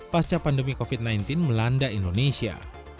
pasca pandemi covid sembilan belas melanda indonesia